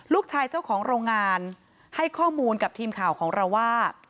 เจ้าของโรงงานให้ข้อมูลกับทีมข่าวของเราว่า